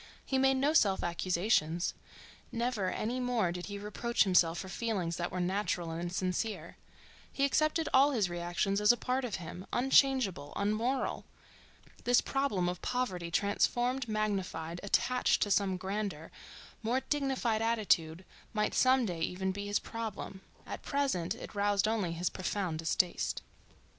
He made no self accusations: never any more did he reproach himself for feelings that were natural and sincere. He accepted all his reactions as a part of him, unchangeable, unmoral. This problem of poverty transformed, magnified, attached to some grander, more dignified attitude might some day even be his problem; at present it roused only his profound distaste.